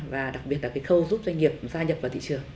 trong việc là cái khâu giúp doanh nghiệp gia nhập vào thị trường